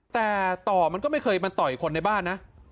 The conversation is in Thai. แต่ต่อมันก็ไม่เคยมาต่อยคนในบ้านนะ